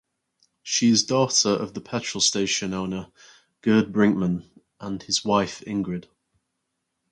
She is daughter of the petrol station owner Gerd Brinkmann and his wife Ingrid.